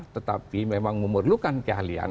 tetapi memang memerlukan keahlian